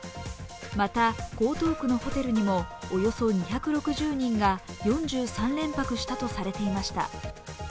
また、江東区のホテルにもおよそ２６０人が４３連泊したとされていました。